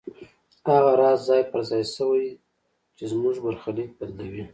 هغه راز ځای پر ځای شوی چې زموږ برخليک بدلوي.